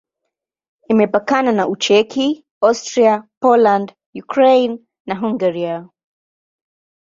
Imepakana na Ucheki, Austria, Poland, Ukraine na Hungaria.